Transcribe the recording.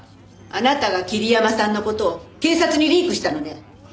あなたが桐山さんの事を警察にリークしたのね？